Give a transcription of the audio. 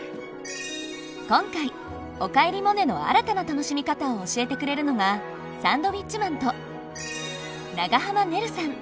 今回「おかえりモネ」の新たな楽しみ方を教えてくれるのがサンドウィッチマンと長濱ねるさん。